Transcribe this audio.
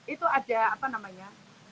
itu ada apa namanya